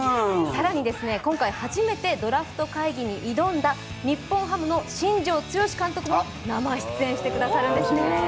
更に今回初めてドラフト会議に挑んだ日本ハムの新庄剛志監督も生出演してくださるんです。